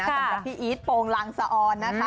ต่างจากพี่อีทโปงลางสะออน